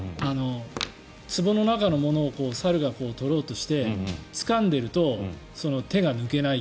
つぼの中のものを猿が取ろうとしてつかんでいると手が抜けない。